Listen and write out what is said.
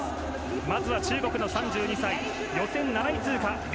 まず中国の３２歳予選７位通過ロ